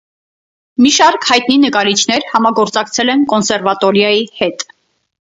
Մի շարք հայտնի նկարիչներ համագործակցել են կոնսերվատորիայի հետ։